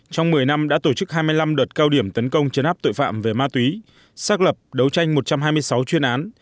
trong một mươi năm đã tổ chức hai mươi năm đợt cao điểm tấn công chấn áp tội phạm về ma túy xác lập đấu tranh một trăm hai mươi sáu chuyên án